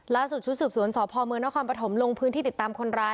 ล่าสุดสุดสุดสวนสพมพลงพื้นที่ติดตามคนร้าย